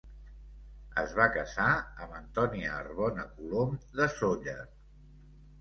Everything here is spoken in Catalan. Es va casar amb Antònia Arbona Colom, de Sóller.